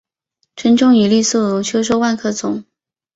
春种一粒粟，秋收万颗子。